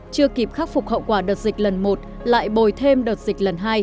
chưa kịp khắc phục hậu quả đợt dịch lần một lại bồi thêm đợt dịch lần hai